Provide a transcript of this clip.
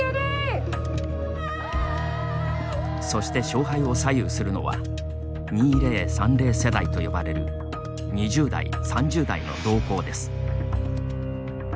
そして、勝敗を左右するのは２０３０世代と呼ばれる２０代、３０代の動向です。